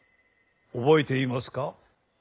覚えていますか？